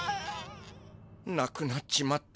なくなっちまった。